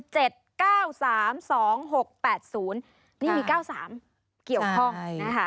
นี่มี๙๓เกี่ยวข้องนะคะ